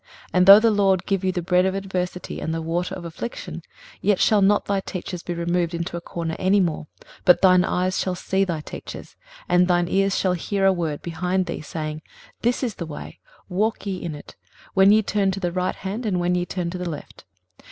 23:030:020 And though the Lord give you the bread of adversity, and the water of affliction, yet shall not thy teachers be removed into a corner any more, but thine eyes shall see thy teachers: 23:030:021 And thine ears shall hear a word behind thee, saying, This is the way, walk ye in it, when ye turn to the right hand, and when ye turn to the left.